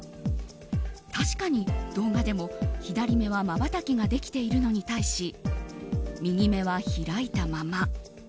確かに動画でも、左目はまばたきができているのに対し右目は開いたまま。